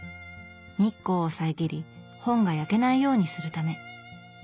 日光を遮り本が焼けないようにするため。